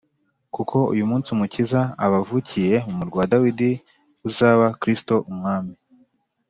, kuko uyu munsi Umukiza abavukiye mu murwa wa Dawidi, uzaba Kristo Umwami.